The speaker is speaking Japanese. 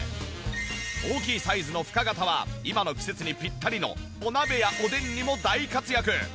大きいサイズの深型は今の季節にピッタリのお鍋やおでんにも大活躍！